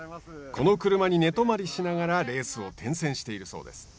この車に寝泊まりしながらレースを転戦しているそうです。